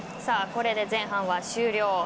これで前半は終了。